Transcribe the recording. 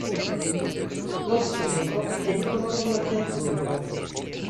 Lo scheletro è di colore verde-azzurro.